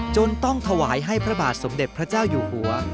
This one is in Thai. จนต้องถวายให้พระบาทสมเด็จพระเจ้าอยู่หัว